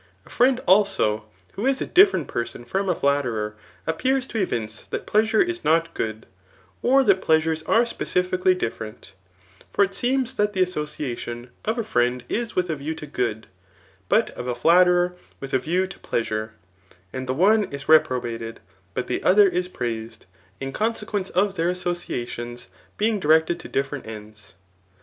A friend, also, who is a diffe rent person from a flatterer, appears to evince that plea sure is not good, or that pleasures are specifically diffe* rent ; for it seems that the association of a friend is with a view to good, but of a flattered, with a view to plea^ sure ; and the one is reprobated, but the odber is pradsed, in consequence of their associations being directed to different ^ids.